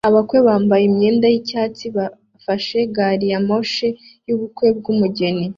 Abakwe bambaye imyenda yicyatsi bafashe gari ya moshi yubukwe bwumugeni